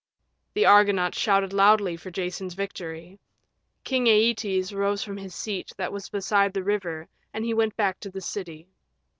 The Argonauts shouted loudly for Jason's victory. King Æetes rose from his seat that was beside the river and he went back to the city.